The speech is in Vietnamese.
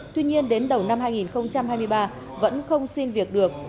tuy nhiên đến đầu năm hai nghìn hai mươi ba vẫn không xin việc được